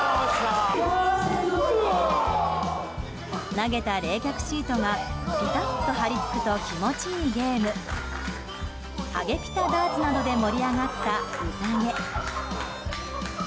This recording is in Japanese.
投げた冷却シートがピタッと貼りつくと気持ちいいゲームハゲピタダーツなどで盛り上がった有多毛。